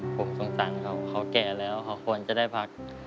ผมสงสารเขาเขาแก่แล้วเขาควรจะได้พัก